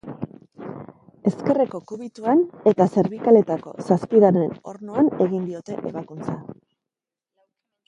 Ezkerreko kubituan eta zerbikaletako zazpigarren ornoan egin diote ebakuntza.